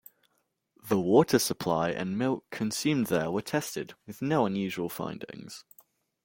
The water supply and milk consumed there were tested, with no unusual findings.